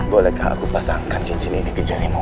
bolehkah aku pasangkan cincin ini ke jarimu